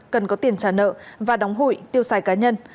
cần có tiền trả nợ và đóng hụi tiêu xài cá nhân